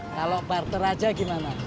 kalau barter aja gimana